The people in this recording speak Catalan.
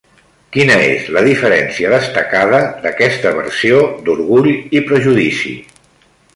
Quina és la diferència destacada d'aquesta versió d'Orgull i prejudici?